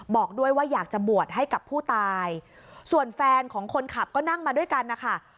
บอกด้วยว่าอยากจะบวชให้กับผู้ตายส่วนแฟนของคนขับก็นั่งมาด้วยกันนะคะ